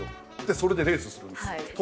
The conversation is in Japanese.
それでレースをするんです。